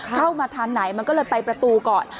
เข้ามาทางไหนมันก็เลยไปประตูก่อน